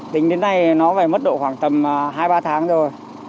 tính đến nay nó phải mất độ khoảng tầm hai ba tháng rồi